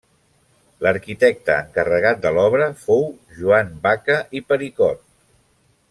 L'arquitecte encarregat de l'obra fou Joan Baca i Pericot.